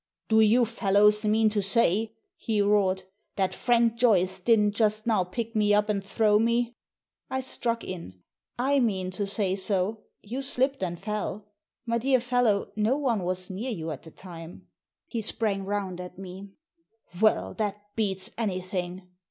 " Do you fellows mean to say," he roared, " that Frank Joyce didn't just now pick me up and throw me?" I struck in. "I mean to say so. You slipped and fell. My dear fellow, no one was near you at the time." He sprang round at me. « Well, that beats anything